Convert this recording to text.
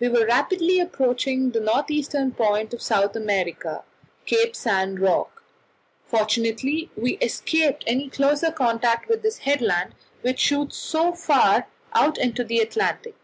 We were rapidly approaching the north eastern point of South America Cape San Roque. Fortunately we escaped any closer contact with this headland, which shoots so far out into the Atlantic.